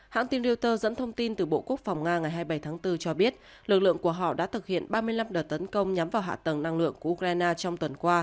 hãng tin reuters dẫn thông tin từ bộ quốc phòng nga ngày hai mươi bảy tháng bốn cho biết lực lượng của họ đã thực hiện ba mươi năm đợt tấn công nhắm vào hạ tầng năng lượng